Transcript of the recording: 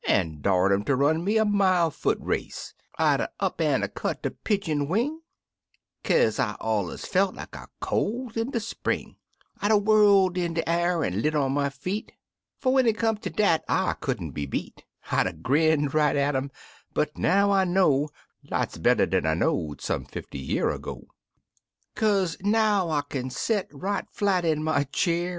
An' 'a' dar'd um ter run me a mile foot race; I'd 'a' up an' 'a' cut de pidjin wing, Kaze I allers felt like a colt in de spring; I'd 'a' whirled in de a'r an' lit on my feet, Fer when it come ter dat 1 couldn't be beat; I'd 'a' grinned right at um — but now I know Lots better dan I know'd some fifty year ago. Kaze now I kin set right flat in my cheer.